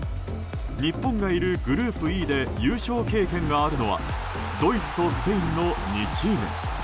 日本がいるグループＥで優勝経験があるのはドイツとスペインの２チーム。